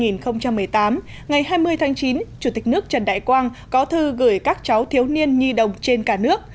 ngày hai mươi tháng chín chủ tịch nước trần đại quang có thư gửi các cháu thiếu niên nhi đồng trên cả nước